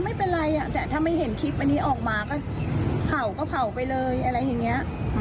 ไม่ได้เห็นคลิปอันนี้ออกมาก็เผาก็เผาไปเลยอะไรอย่างนี้